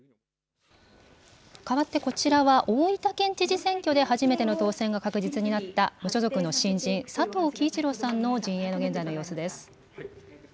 かわってこちらは、大分県知事選挙で初めての当選が確実になった無所属の新人、佐藤樹一郎さんの陣営の現在の様子です。